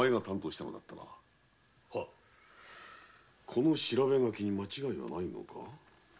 この調べ書きに間違いはないのか？